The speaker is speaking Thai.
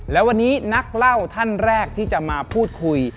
และวันนี้นักเล่าท่านแรกที่จะมาพูดคุย